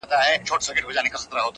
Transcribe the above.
يخو رګونو کې مې سره سپينه لمبه تاويږي